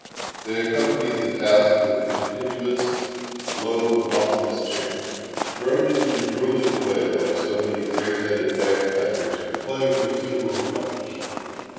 They accompanied the task with a continuous, low, monotonous, chant; droning and drilling away like so many gray headed bag pipers playing a funeral march.